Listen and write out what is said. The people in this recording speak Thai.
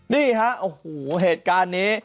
นี่ฮะโอ้โหเหตุการณ์นี้